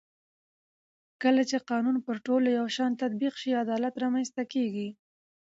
کله چې قانون پر ټولو یو شان تطبیق شي عدالت رامنځته کېږي